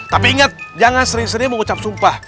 tapi ingat jangan sering sering mengucap sumpah